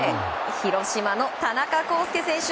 広島の田中広輔選手